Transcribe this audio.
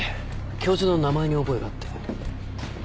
教授の名前に覚えがあって。